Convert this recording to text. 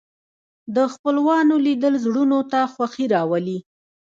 د خپلوانو لیدل زړونو ته خوښي راولي